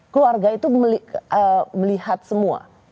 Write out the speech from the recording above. keluarga itu melihat semua